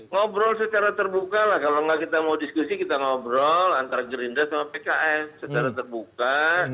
ngobrol secara terbuka lah kalau nggak kita mau diskusi kita ngobrol antara gerindra sama pks secara terbuka